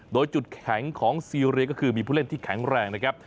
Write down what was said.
โดยจุดแข็งของซีเรียก็คือมีผู้เล่นที่แข็งแรงนะครับ